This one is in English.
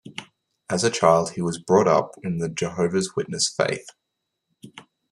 As a child, he was brought up in the Jehovah's Witness faith.